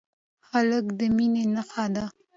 هلک د مینې نښه ده.